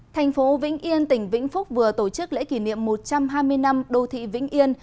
thành phố vĩnh yên tỉnh vĩnh phúc vừa tổ chức lễ kỷ niệm một trăm hai mươi năm đô thị vĩnh yên